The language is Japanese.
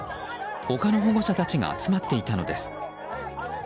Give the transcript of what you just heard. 他の保護者たちが集まっていたのです。